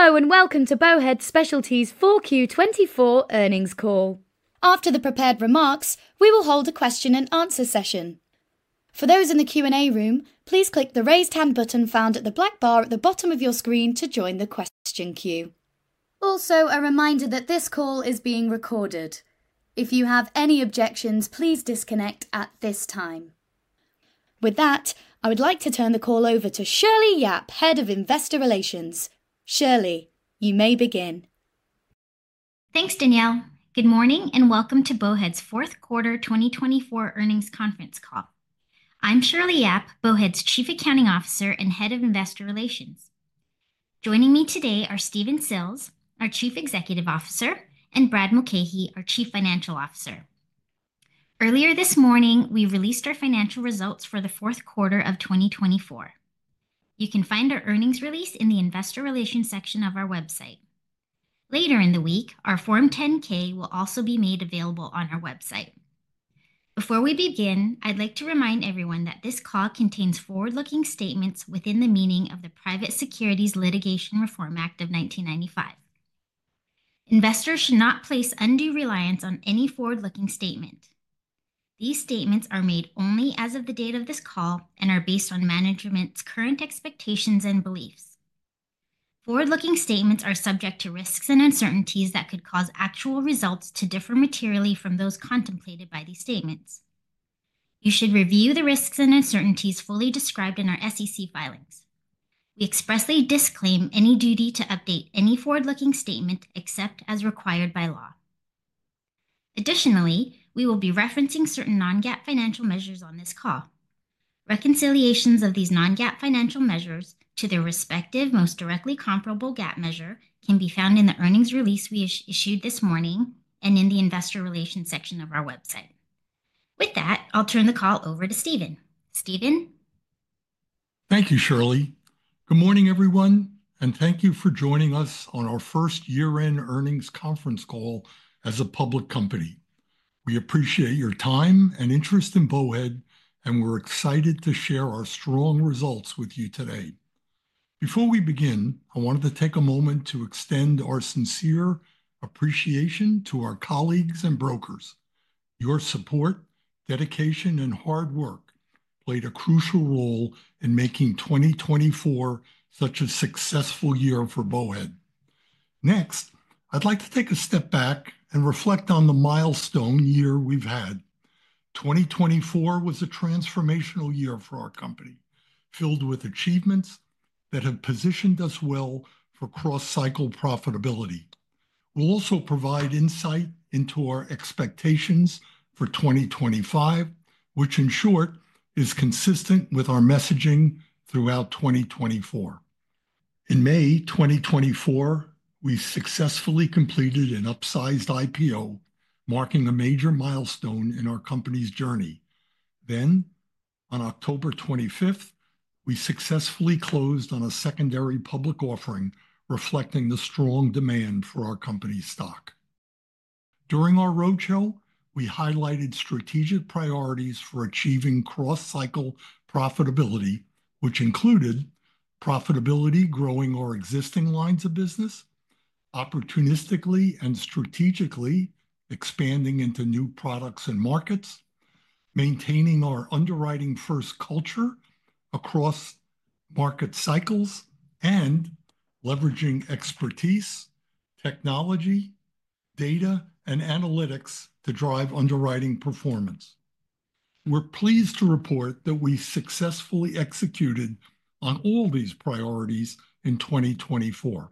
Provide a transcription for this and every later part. Hello and welcome to Bowhead Specialty's 4Q24 earnings call. After the prepared remarks, we will hold a question-and-answer session. For those in the Q&A room, please click the raised hand button found at the black bar at the bottom of your screen to join the question queue. Also, a reminder that this call is being recorded. If you have any objections, please disconnect at this time. With that, I would like to turn the call over to Shirley Yap, Head of Investor Relations. Shirley, you may begin. Thanks, Danielle. Good morning and welcome to Bowhead's Fourth Quarter 2024 earnings conference call. I'm Shirley Yap, Bowhead's Chief Accounting Officer and Head of Investor Relations. Joining me today are Stephen Sills, our Chief Executive Officer, and Brad Mulcahy, our Chief Financial Officer. Earlier this morning, we released our financial results for the fourth quarter of 2024. You can find our earnings release in the Investor Relations section of our website. Later in the week, our Form 10-K will also be made available on our website. Before we begin, I'd like to remind everyone that this call contains forward-looking statements within the meaning of the Private Securities Litigation Reform Act of 1995. Investors should not place undue reliance on any forward-looking statement. These statements are made only as of the date of this call and are based on management's current expectations and beliefs. Forward-looking statements are subject to risks and uncertainties that could cause actual results to differ materially from those contemplated by these statements. You should review the risks and uncertainties fully described in our SEC filings. We expressly disclaim any duty to update any forward-looking statement except as required by law. Additionally, we will be referencing certain non-GAAP financial measures on this call. Reconciliations of these non-GAAP financial measures to their respective most directly comparable GAAP measure can be found in the earnings release we issued this morning and in the Investor Relations section of our website. With that, I'll turn the call over to Stephen. Stephen? Thank you, Shirley. Good morning, everyone, and thank you for joining us on our first year-end earnings conference call as a public company. We appreciate your time and interest in Bowhead, and we're excited to share our strong results with you today. Before we begin, I wanted to take a moment to extend our sincere appreciation to our colleagues and brokers. Your support, dedication, and hard work played a crucial role in making 2024 such a successful year for Bowhead. Next, I'd like to take a step back and reflect on the milestone year we've had. 2024 was a transformational year for our company, filled with achievements that have positioned us well for cross-cycle profitability. We'll also provide insight into our expectations for 2025, which in short is consistent with our messaging throughout 2024. In May 2024, we successfully completed an upsized IPO, marking a major milestone in our company's journey. Then, on October 25th, we successfully closed on a secondary public offering, reflecting the strong demand for our company's stock. During our roadshow, we highlighted strategic priorities for achieving cross-cycle profitability, which included profitably growing our existing lines of business, opportunistically and strategically expanding into new products and markets, maintaining our underwriting-first culture across market cycles, and leveraging expertise, technology, data, and analytics to drive underwriting performance. We're pleased to report that we successfully executed on all these priorities in 2024.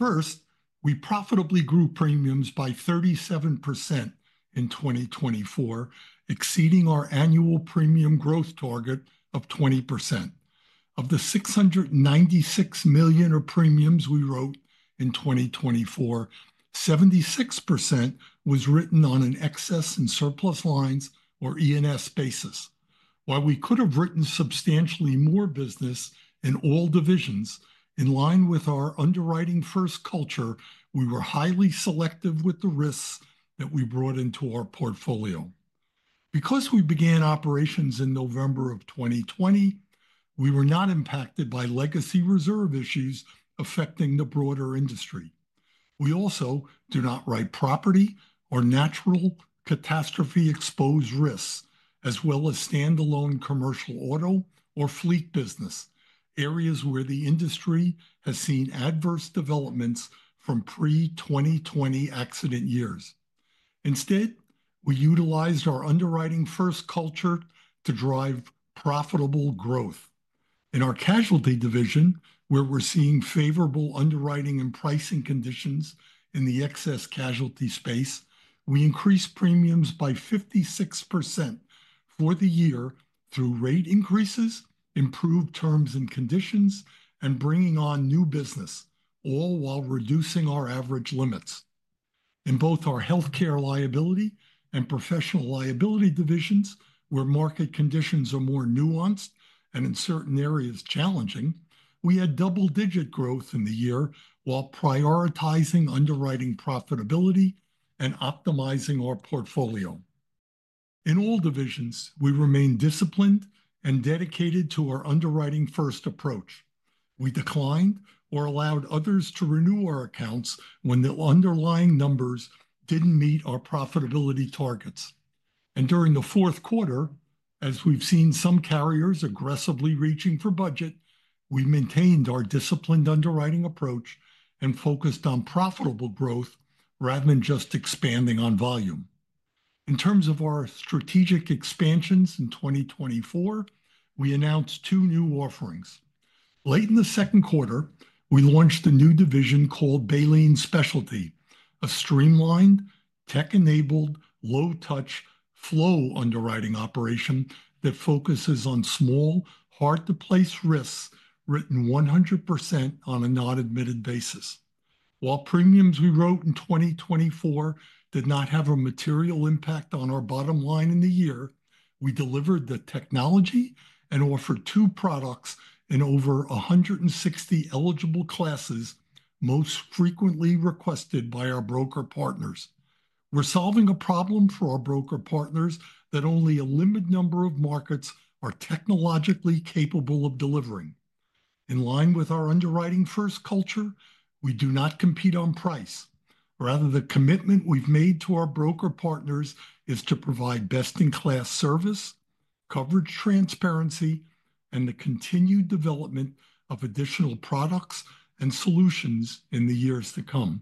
First, we profitably grew premiums by 37% in 2024, exceeding our annual premium growth target of 20%. Of the $696 million of premiums we wrote in 2024, 76% was written on an excess and surplus lines, or E&S, basis. While we could have written substantially more business in all divisions, in line with our underwriting-first culture, we were highly selective with the risks that we brought into our portfolio. Because we began operations in November of 2020, we were not impacted by legacy reserve issues affecting the broader industry. We also do not write property or natural catastrophe-exposed risks, as well as standalone commercial auto or fleet business, areas where the industry has seen adverse developments from pre-2020 accident years. Instead, we utilized our underwriting-first culture to drive profitable growth. In our casualty division, where we're seeing favorable underwriting and pricing conditions in the excess casualty space, we increased premiums by 56% for the year through rate increases, improved terms and conditions, and bringing on new business, all while reducing our average limits. In both our healthcare liability and professional liability divisions, where market conditions are more nuanced and in certain areas challenging, we had double-digit growth in the year while prioritizing underwriting profitability and optimizing our portfolio. In all divisions, we remained disciplined and dedicated to our underwriting-first approach. We declined or allowed others to renew our accounts when the underlying numbers didn't meet our profitability targets. And during the fourth quarter, as we've seen some carriers aggressively reaching for budget, we maintained our disciplined underwriting approach and focused on profitable growth rather than just expanding on volume. In terms of our strategic expansions in 2024, we announced two new offerings. Late in the second quarter, we launched a new division called Baleen Specialty, a streamlined, tech-enabled, low-touch flow underwriting operation that focuses on small, hard-to-place risks written 100% on a non-admitted basis. While premiums we wrote in 2024 did not have a material impact on our bottom line in the year, we delivered the technology and offered two products in over 160 eligible classes most frequently requested by our broker partners. We're solving a problem for our broker partners that only a limited number of markets are technologically capable of delivering. In line with our underwriting-first culture, we do not compete on price. Rather, the commitment we've made to our broker partners is to provide best-in-class service, coverage transparency, and the continued development of additional products and solutions in the years to come.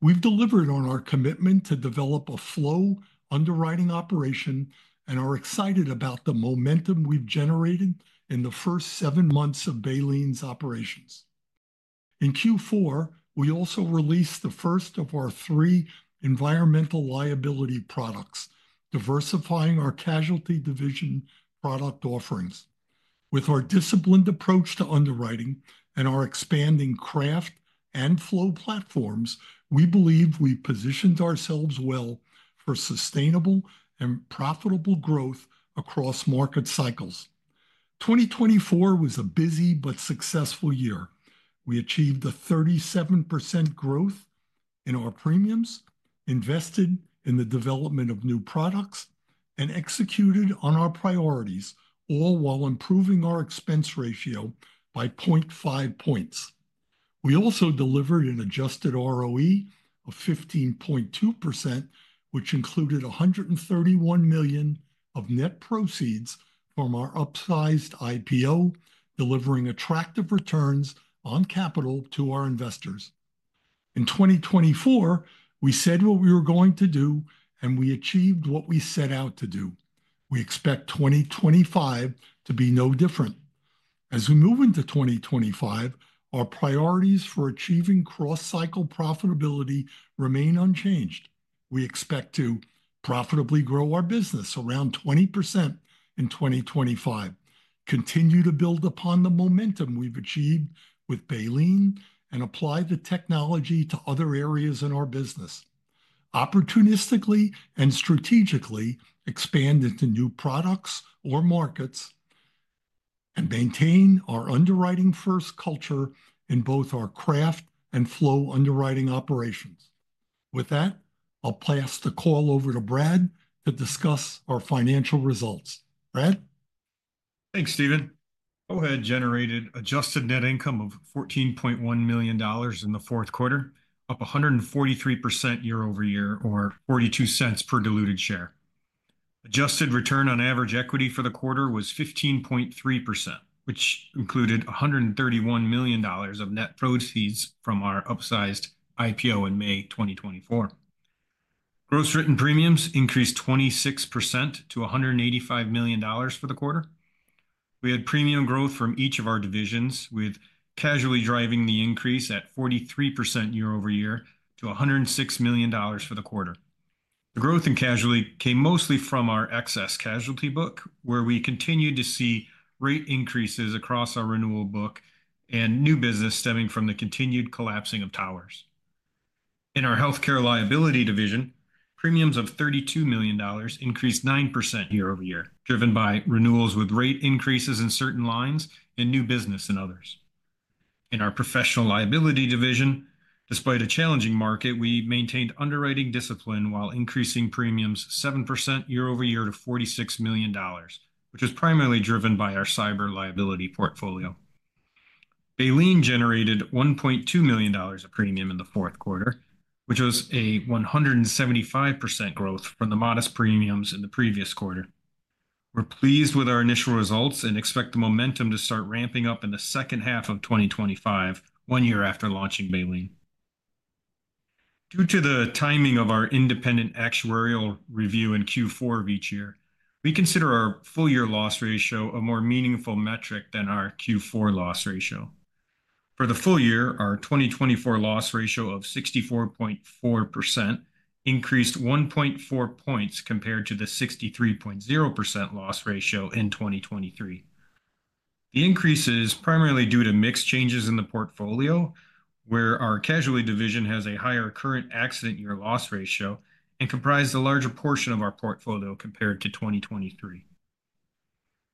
We've delivered on our commitment to develop a flow underwriting operation and are excited about the momentum we've generated in the first seven months of Baleen's operations. In Q4, we also released the first of our three environmental liability products, diversifying our casualty division product offerings. With our disciplined approach to underwriting and our expanding craft and flow platforms, we believe we've positioned ourselves well for sustainable and profitable growth across market cycles. 2024 was a busy but successful year. We achieved a 37% growth in our premiums, invested in the development of new products, and executed on our priorities, all while improving our expense ratio by 0.5 points. We also delivered an adjusted ROE of 15.2%, which included $131 million of net proceeds from our upsized IPO, delivering attractive returns on capital to our investors. In 2024, we said what we were going to do, and we achieved what we set out to do. We expect 2025 to be no different. As we move into 2025, our priorities for achieving cross-cycle profitability remain unchanged. We expect to profitably grow our business around 20% in 2025, continue to build upon the momentum we've achieved with Baleen, and apply the technology to other areas in our business, opportunistically and strategically expand into new products or markets, and maintain our underwriting-first culture in both our craft and flow underwriting operations. With that, I'll pass the call over to Brad to discuss our financial results. Brad? Thanks, Stephen. Bowhead generated adjusted net income of $14.1 million in the fourth quarter, up 143% year-over-year, or $0.42 per diluted share. Adjusted return on average equity for the quarter was 15.3%, which included $131 million of net proceeds from our upsized IPO in May 2024. Gross written premiums increased 26% to $185 million for the quarter. We had premium growth from each of our divisions, with casualty driving the increase at 43% year-over-year to $106 million for the quarter. The growth in casualty came mostly from our excess casualty book, where we continued to see rate increases across our renewal book and new business stemming from the continued collapsing of towers. In our healthcare liability division, premiums of $32 million increased 9% year-over-year, driven by renewals with rate increases in certain lines and new business in others. In our professional liability division, despite a challenging market, we maintained underwriting discipline while increasing premiums 7% year-over-year to $46 million, which was primarily driven by our cyber liability portfolio. Baleen generated $1.2 million of premium in the fourth quarter, which was a 175% growth from the modest premiums in the previous quarter. We're pleased with our initial results and expect the momentum to start ramping up in the second half of 2025, one year after launching Baleen. Due to the timing of our independent actuarial review in Q4 of each year, we consider our full-year loss ratio a more meaningful metric than our Q4 loss ratio. For the full year, our 2024 loss ratio of 64.4% increased 1.4 points compared to the 63.0% loss ratio in 2023. The increase is primarily due to mixed changes in the portfolio, where our casualty division has a higher current accident-year loss ratio and comprises a larger portion of our portfolio compared to 2023.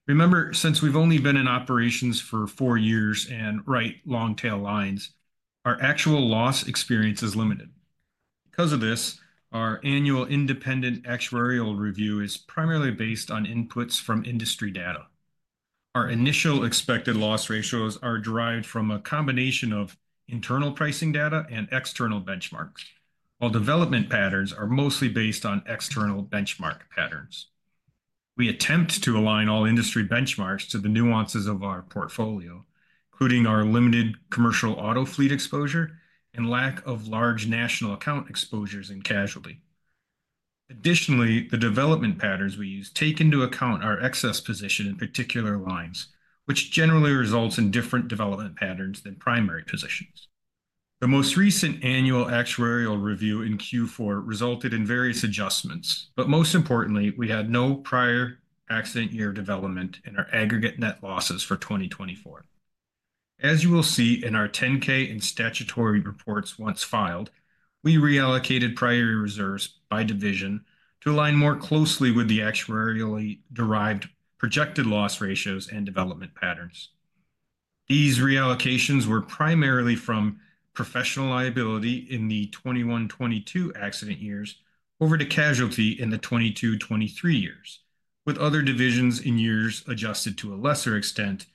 Remember, since we've only been in operations for four years and write long-tail lines, our actual loss experience is limited. Because of this, our annual independent actuarial review is primarily based on inputs from industry data. Our initial expected loss ratios are derived from a combination of internal pricing data and external benchmarks, while development patterns are mostly based on external benchmark patterns. We attempt to align all industry benchmarks to the nuances of our portfolio, including our limited commercial auto fleet exposure and lack of large national account exposures in casualty. Additionally, the development patterns we use take into account our excess position in particular lines, which generally results in different development patterns than primary positions. The most recent annual actuarial review in Q4 resulted in various adjustments, but most importantly, we had no prior accident-year development in our aggregate net losses for 2024. As you will see in our 10-K and statutory reports once filed, we reallocated prior reserves by division to align more closely with the actuarially derived projected loss ratios and development patterns. These reallocations were primarily from professional liability in the 2021-2022 accident years over to casualty in the 2022-2023 years, with other divisions in years adjusted to a lesser extent,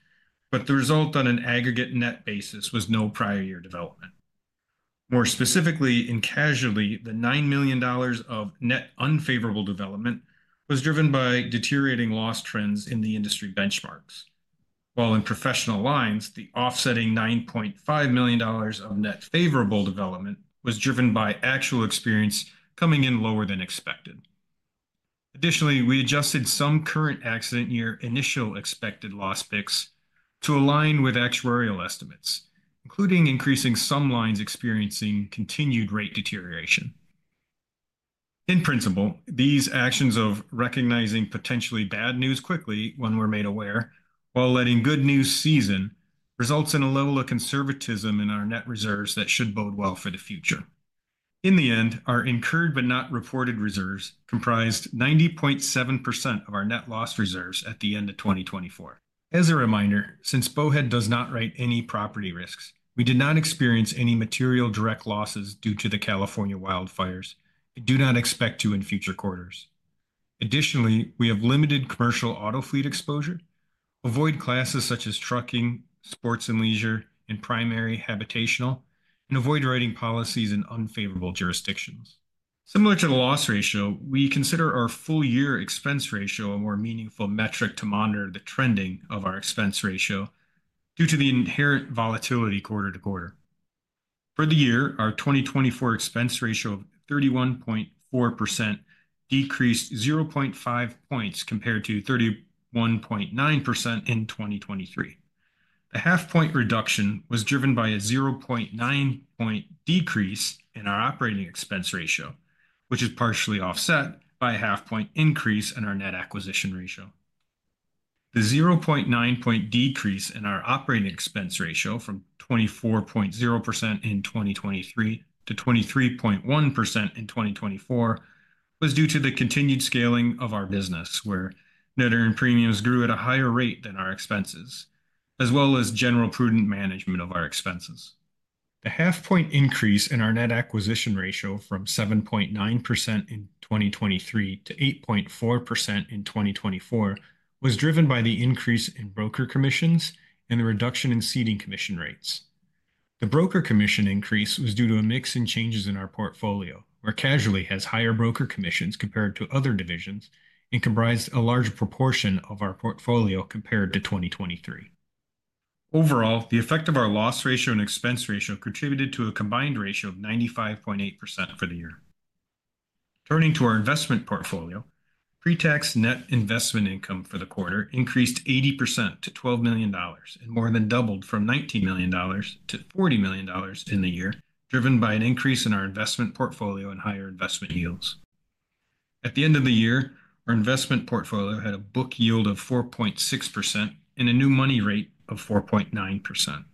but the result on an aggregate net basis was no prior year development. More specifically, in casualty, the $9 million of net unfavorable development was driven by deteriorating loss trends in the industry benchmarks, while in professional lines, the offsetting $9.5 million of net favorable development was driven by actual experience coming in lower than expected. Additionally, we adjusted some current accident-year initial expected loss picks to align with actuarial estimates, including increasing some lines experiencing continued rate deterioration. In principle, these actions of recognizing potentially bad news quickly when we're made aware while letting good news season results in a level of conservatism in our net reserves that should bode well for the future. In the end, our incurred but not reported reserves comprised 90.7% of our net loss reserves at the end of 2024. As a reminder, since Bowhead does not write any property risks, we did not experience any material direct losses due to the California wildfires and do not expect to in future quarters. Additionally, we have limited commercial auto fleet exposure, avoid classes such as trucking, sports and leisure, and primary habitational, and avoid writing policies in unfavorable jurisdictions. Similar to the loss ratio, we consider our full-year expense ratio a more meaningful metric to monitor the trending of our expense ratio due to the inherent volatility quarter to quarter. For the year, our 2024 expense ratio of 31.4% decreased 0.5 points compared to 31.9% in 2023. The half-point reduction was driven by a 0.9-point decrease in our operating expense ratio, which is partially offset by a half-point increase in our net acquisition ratio. The 0.9-point decrease in our operating expense ratio from 24.0% in 2023 to 23.1% in 2024 was due to the continued scaling of our business, where net premiums grew at a higher rate than our expenses, as well as general prudent management of our expenses. The half-point increase in our net acquisition ratio from 7.9% in 2023 to 8.4% in 2024 was driven by the increase in broker commissions and the reduction in ceding commission rates. The broker commission increase was due to a mix of changes in our portfolio, where casualty has higher broker commissions compared to other divisions and comprised a large proportion of our portfolio compared to 2023. Overall, the effect of our loss ratio and expense ratio contributed to a combined ratio of 95.8% for the year. Turning to our investment portfolio, pre-tax net investment income for the quarter increased 80% to $12 million and more than doubled from $19 million to $40 million in the year, driven by an increase in our investment portfolio and higher investment yields. At the end of the year, our investment portfolio had a book yield of 4.6% and a new money rate of 4.9%.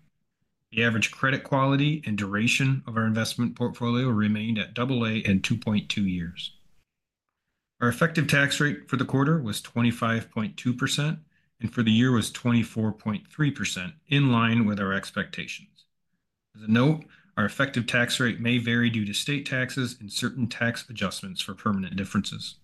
The average credit quality and duration of our investment portfolio remained at AA and 2.2 years. Our effective tax rate for the quarter was 25.2%, and for the year was 24.3%, in line with our expectations. As a note, our effective tax rate may vary due to state taxes and certain tax adjustments for permanent differences.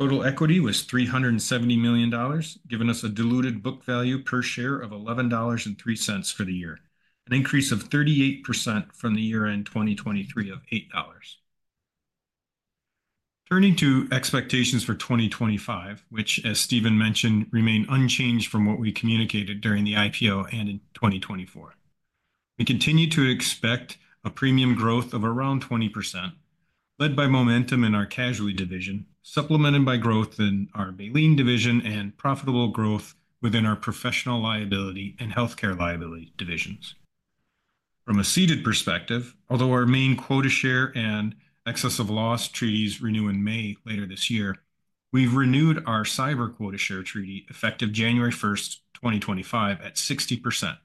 Total equity was $370 million, giving us a diluted book value per share of $11.03 for the year, an increase of 38% from the year-end 2023 of $8. Turning to expectations for 2025, which, as Stephen mentioned, remain unchanged from what we communicated during the IPO and in 2024. We continue to expect a premium growth of around 20%, led by momentum in our casualty division, supplemented by growth in our Baleen division and profitable growth within our professional liability and healthcare liability divisions. From a ceded perspective, although our main quota share and excess of loss treaties renew in May later this year, we've renewed our cyber quota share treaty effective January 1st, 2025, at 60%,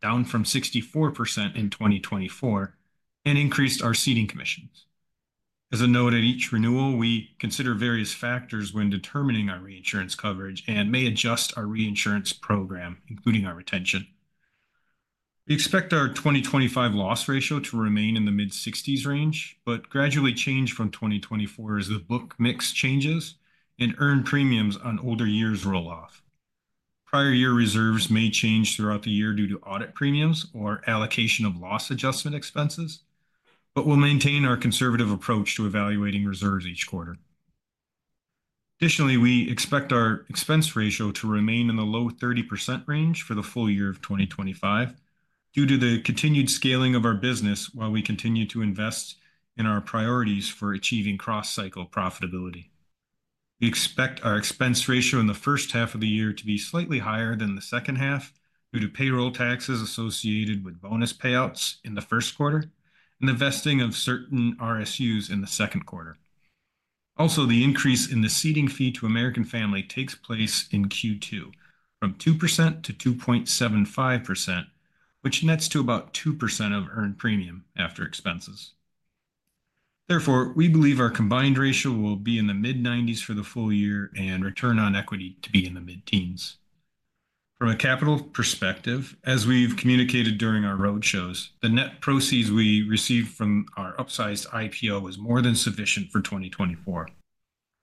down from 64% in 2024, and increased our ceding commissions. As a note, at each renewal, we consider various factors when determining our reinsurance coverage and may adjust our reinsurance program, including our retention. We expect our 2025 loss ratio to remain in the mid-60s range, but gradually change from 2024 as the book mix changes and earned premiums on older years roll off. Prior year reserves may change throughout the year due to audit premiums or allocation of loss adjustment expenses, but we'll maintain our conservative approach to evaluating reserves each quarter. Additionally, we expect our expense ratio to remain in the low 30% range for the full year of 2025 due to the continued scaling of our business while we continue to invest in our priorities for achieving cross-cycle profitability. We expect our expense ratio in the first half of the year to be slightly higher than the second half due to payroll taxes associated with bonus payouts in the first quarter and the vesting of certain RSUs in the second quarter. Also, the increase in the ceding fee to American Family takes place in Q2 from 2% to 2.75%, which nets to about 2% of earned premium after expenses. Therefore, we believe our combined ratio will be in the mid-90s for the full year and return on equity to be in the mid-teens. From a capital perspective, as we've communicated during our road shows, the net proceeds we receive from our upsized IPO is more than sufficient for 2024.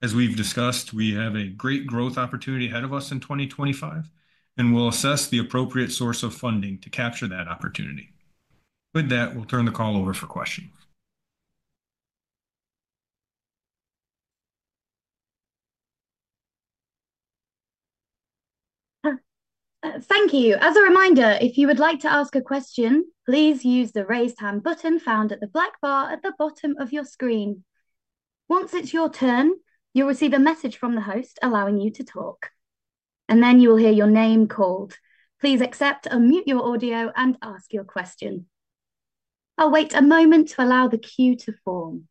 As we've discussed, we have a great growth opportunity ahead of us in 2025, and we'll assess the appropriate source of funding to capture that opportunity. With that, we'll turn the call over for questions. Thank you. As a reminder, if you would like to ask a question, please use the raised hand button found at the black bar at the bottom of your screen. Once it's your turn, you'll receive a message from the host allowing you to talk, and then you will hear your name called. Please accept or mute your audio and ask your question. I'll wait a moment to allow the queue to form.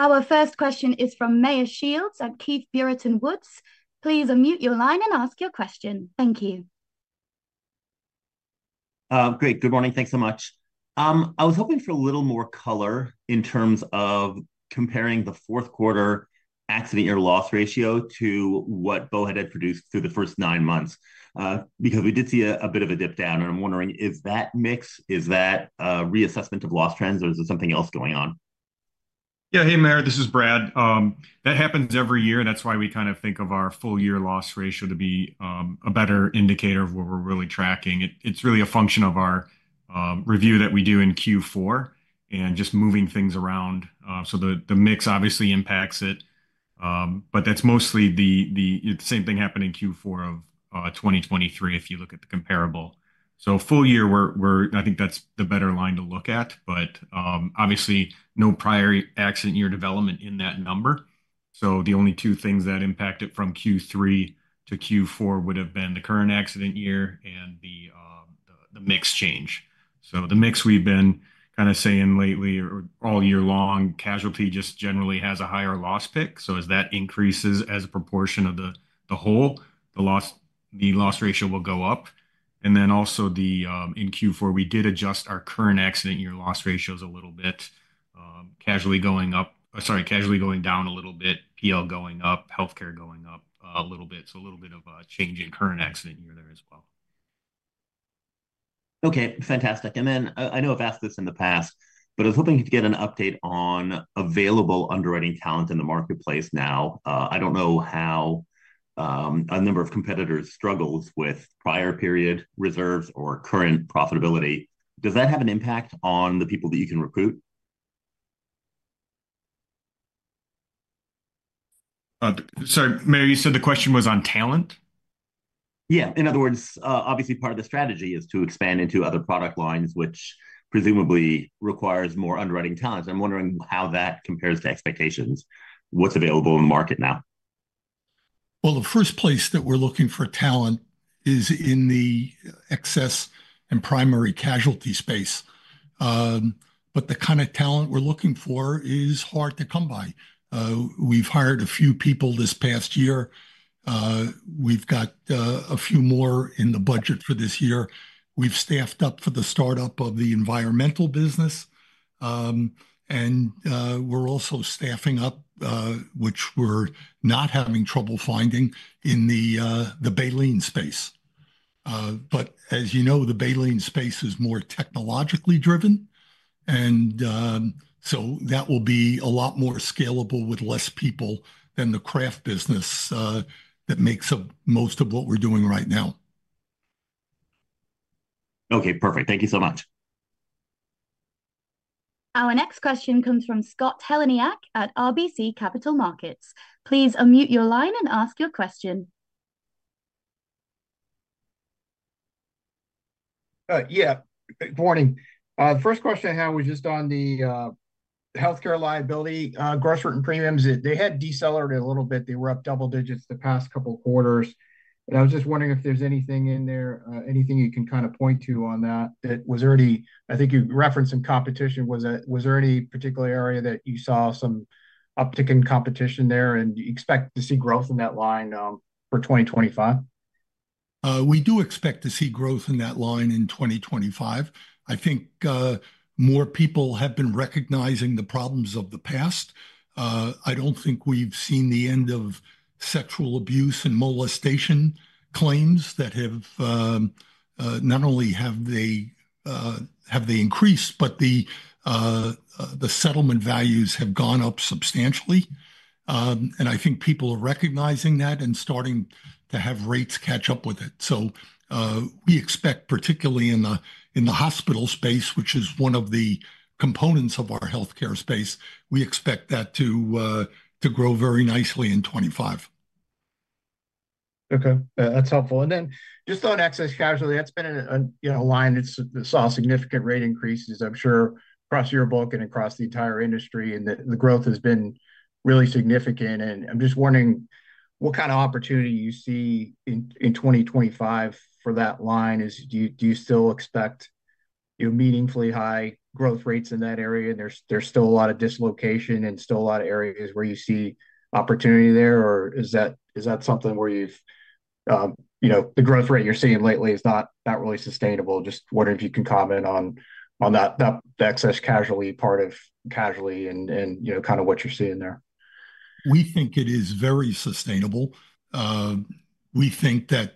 Our first question is from Meyer Shields at Keefe, Bruyette & Woods. Please unmute your line and ask your question. Thank you. Great. Good morning. Thanks so much. I was hoping for a little more color in terms of comparing the fourth quarter accident-year loss ratio to what Bowhead had produced through the first nine months because we did see a bit of a dip down. And I'm wondering, is that mix? Is that a reassessment of loss trends, or is there something else going on? Yeah. Hey, Meyer, this is Brad. That happens every year, and that's why we kind of think of our full-year loss ratio to be a better indicator of what we're really tracking. It's really a function of our review that we do in Q4 and just moving things around. So the mix obviously impacts it, but that's mostly the same thing happened in Q4 of 2023 if you look at the comparable. So full year, I think that's the better line to look at, but obviously no prior accident-year development in that number. So the only two things that impact it from Q3 to Q4 would have been the current accident year and the mix change. So the mix we've been kind of saying lately, or all year long, casualty just generally has a higher loss pick. As that increases as a proportion of the whole, the loss ratio will go up. And then also in Q4, we did adjust our current accident-year loss ratios a little bit, casualty going up, sorry, casualty going down a little bit, PL going up, healthcare going up a little bit. So a little bit of a change in current accident year there as well. Okay. Fantastic. And then I know I've asked this in the past, but I was hoping to get an update on available underwriting talent in the marketplace now. I don't know how a number of competitors struggles with prior period reserves or current profitability. Does that have an impact on the people that you can recruit? Sorry, Meyer, you said the question was on talent? Yeah. In other words, obviously part of the strategy is to expand into other product lines, which presumably requires more underwriting talent. I'm wondering how that compares to expectations. What's available in the market now? The first place that we're looking for talent is in the excess and primary casualty space. But the kind of talent we're looking for is hard to come by. We've hired a few people this past year. We've got a few more in the budget for this year. We've staffed up for the startup of the environmental business, and we're also staffing up, which we're not having trouble finding in the Baleen space. But as you know, the Baleen space is more technologically driven, and so that will be a lot more scalable with less people than the craft business that makes up most of what we're doing right now. Okay. Perfect. Thank you so much. Our next question comes from Scott Heleniak at RBC Capital Markets. Please unmute your line and ask your question. Yeah. Good morning. First question I have was just on the healthcare liability gross written premiums. They had decelerated a little bit. They were up double digits the past couple of quarters. And I was just wondering if there's anything in there, anything you can kind of point to on that. I think you referenced some competition. Was there any particular area that you saw some uptick in competition there and you expect to see growth in that line for 2025? We do expect to see growth in that line in 2025. I think more people have been recognizing the problems of the past. I don't think we've seen the end of sexual abuse and molestation claims that have not only have they increased, but the settlement values have gone up substantially. And I think people are recognizing that and starting to have rates catch up with it. So we expect, particularly in the hospital space, which is one of the components of our healthcare space, we expect that to grow very nicely in 2025. Okay. That's helpful. And then just on excess casualty, that's been a line that saw significant rate increases, I'm sure, across your book and across the entire industry, and the growth has been really significant. And I'm just wondering what kind of opportunity you see in 2025 for that line. Do you still expect meaningfully high growth rates in that area? And there's still a lot of dislocation and still a lot of areas where you see opportunity there, or is that something where the growth rate you're seeing lately is not really sustainable? Just wondering if you can comment on that excess casualty part of casualty and kind of what you're seeing there. We think it is very sustainable. We think that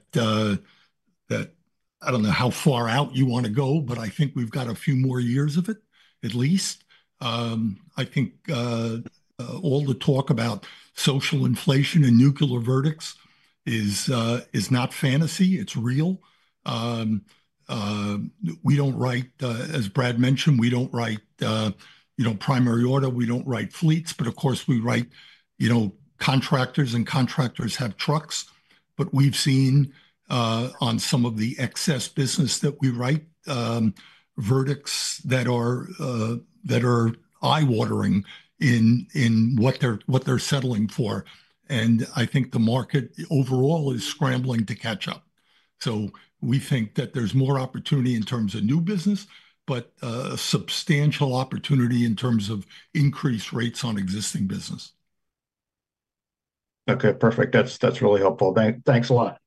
I don't know how far out you want to go, but I think we've got a few more years of it, at least. I think all the talk about social inflation and nuclear verdicts is not fantasy. It's real. We don't write, as Brad mentioned, we don't write primary auto. We don't write fleets, but of course, we write contractors, and contractors have trucks. But we've seen on some of the excess business that we write verdicts that are eye-watering in what they're settling for. And I think the market overall is scrambling to catch up. So we think that there's more opportunity in terms of new business, but substantial opportunity in terms of increased rates on existing business. Okay. Perfect. That's really helpful. Thanks a lot.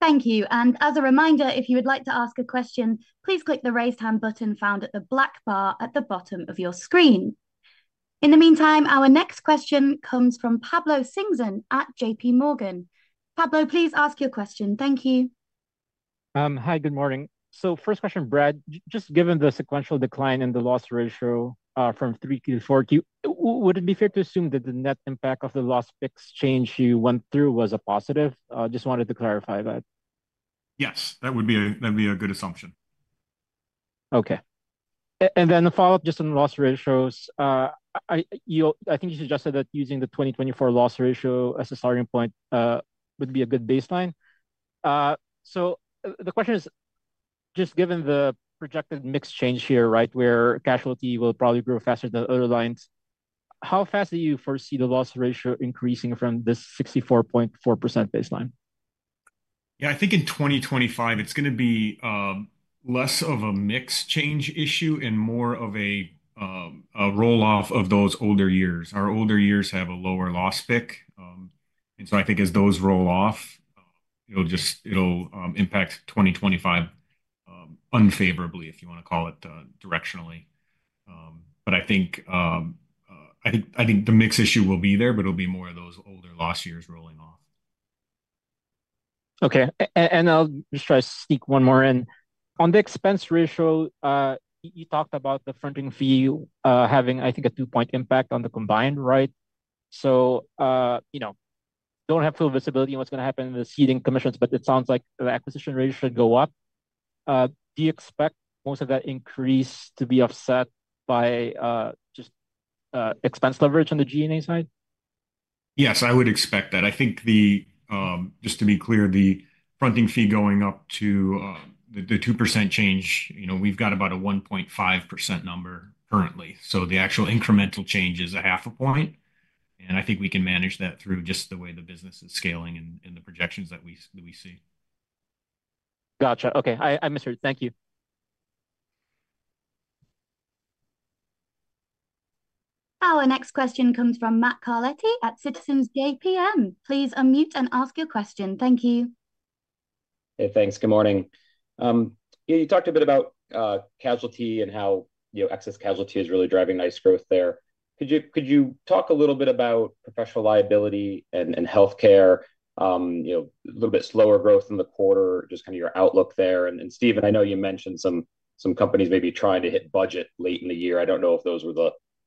Sure. Thank you. And as a reminder, if you would like to ask a question, please click the raised hand button found at the black bar at the bottom of your screen. In the meantime, our next question comes from Pablo Singzon at J.P. Morgan. Pablo, please ask your question. Thank you. Hi. Good morning. So first question, Brad, just given the sequential decline in the loss ratio from three to four, would it be fair to assume that the net impact of the loss mix change you went through was a positive? Just wanted to clarify that. Yes. That would be a good assumption. Okay. And then a follow-up just on loss ratios. I think you suggested that using the 2024 loss ratio as a starting point would be a good baseline. So the question is, just given the projected mix change here, right, where casualty will probably grow faster than other lines, how fast do you foresee the loss ratio increasing from this 64.4% baseline? Yeah. I think in 2025, it's going to be less of a mix change issue and more of a roll-off of those older years. Our older years have a lower loss pick. And so I think as those roll off, it'll impact 2025 unfavorably, if you want to call it directionally. But I think the mix issue will be there, but it'll be more of those older loss years rolling off. Okay. And I'll just try to sneak one more in. On the expense ratio, you talked about the front-end fee having, I think, a two-point impact on the combined ratio. So don't have full visibility on what's going to happen in the ceding commissions, but it sounds like the acquisition rate should go up. Do you expect most of that increase to be offset by just expense leverage on the G&A side? Yes, I would expect that. I think, just to be clear, the front-end fee going up to the 2% change, we've got about a 1.5% number currently. So the actual incremental change is 0.5 point, and I think we can manage that through just the way the business is scaling and the projections that we see. Gotcha. Okay. I missed it. Thank you. Our next question comes from Matt Carletti at Citizens JMP. Please unmute and ask your question. Thank you. Hey, thanks. Good morning. You talked a bit about casualty and how excess casualty is really driving nice growth there. Could you talk a little bit about professional liability and healthcare, a little bit slower growth in the quarter, just kind of your outlook there? And Stephen, I know you mentioned some companies maybe trying to hit budget late in the year. I don't know if those were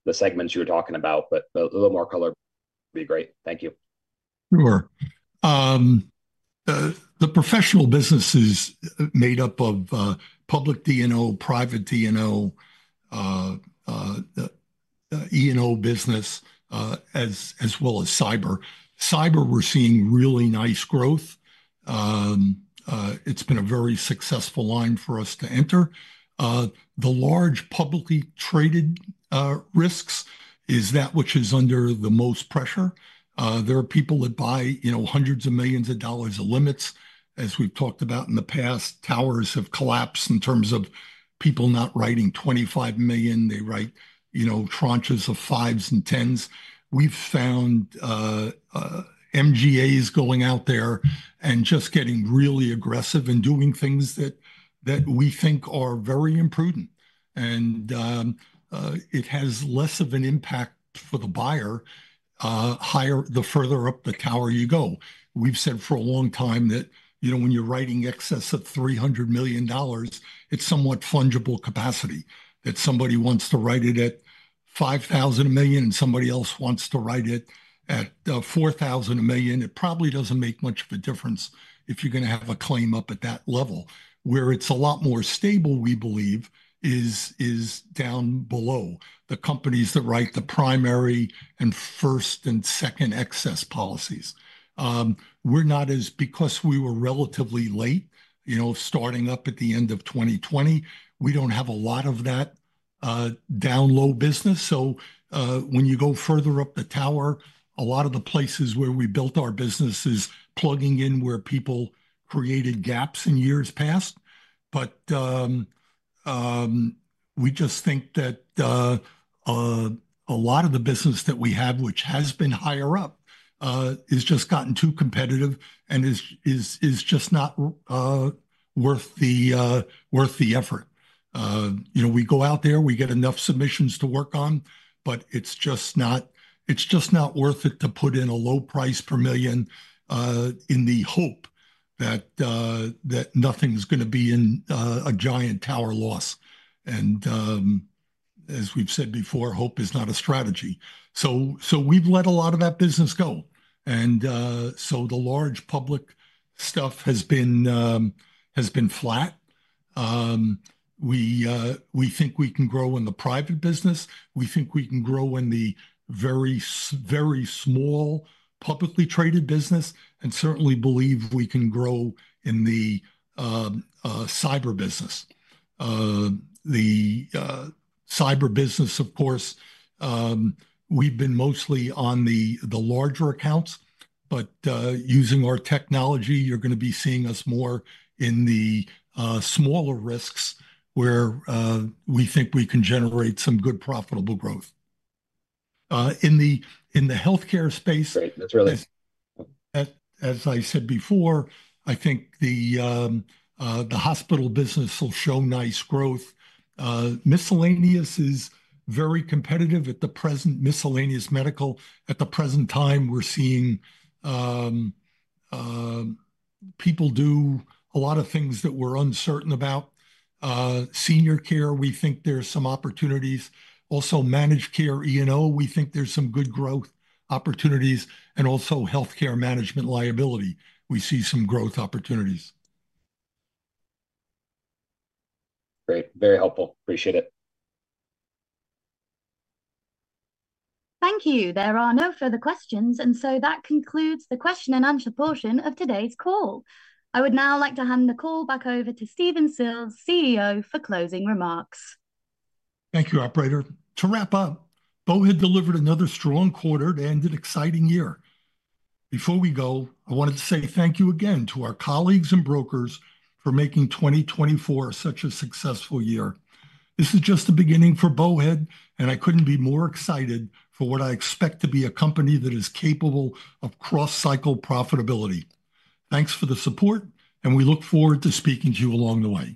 the segments you were talking about, but a little more color would be great. Thank you. Sure. The professional business is made up of public D&O, private D&O, E&O business, as well as cyber. Cyber, we're seeing really nice growth. It's been a very successful line for us to enter. The large publicly traded risks is that which is under the most pressure. There are people that buy hundreds of millions of dollars of limits, as we've talked about in the past. Towers have collapsed in terms of people not writing $25 million. They write tranches of fives and tens. We've found MGAs going out there and just getting really aggressive and doing things that we think are very imprudent, and it has less of an impact for the buyer the further up the tower you go. We've said for a long time that when you're writing excess of $300 million, it's somewhat fungible capacity. If somebody wants to write it at 5,000 million and somebody else wants to write it at 4,000 million, it probably doesn't make much of a difference if you're going to have a claim up at that level. Where it's a lot more stable, we believe, is down below, the companies that write the primary and first and second excess policies. We're not as because we were relatively late starting up at the end of 2020, we don't have a lot of that down low business. So when you go further up the tower, a lot of the places where we built our business is plugging in where people created gaps in years past. But we just think that a lot of the business that we have, which has been higher up, has just gotten too competitive and is just not worth the effort. We go out there, we get enough submissions to work on, but it's just not worth it to put in a low price per million in the hope that nothing's going to be in a giant tower loss. And as we've said before, hope is not a strategy. So we've let a lot of that business go. And so the large public stuff has been flat. We think we can grow in the private business. We think we can grow in the very small publicly traded business, and certainly believe we can grow in the cyber business. The cyber business, of course, we've been mostly on the larger accounts, but using our technology, you're going to be seeing us more in the smaller risks where we think we can generate some good profitable growth. In the healthcare space. Great. That's really nice. As I said before, I think the hospital business will show nice growth. Miscellaneous is very competitive at the present. Miscellaneous medical, at the present time, we're seeing people do a lot of things that we're uncertain about. Senior care, we think there's some opportunities. Also, managed care, E&O, we think there's some good growth opportunities. And also healthcare management liability, we see some growth opportunities. Great. Very helpful. Appreciate it. Thank you. There are no further questions. And so that concludes the question and answer portion of today's call. I would now like to hand the call back over to Stephen Sills, CEO, for closing remarks. Thank you, Operator. To wrap up, Bowhead delivered another strong quarter to end an exciting year. Before we go, I wanted to say thank you again to our colleagues and brokers for making 2024 such a successful year. This is just the beginning for Bowhead, and I couldn't be more excited for what I expect to be a company that is capable of cross-cycle profitability. Thanks for the support, and we look forward to speaking to you along the way.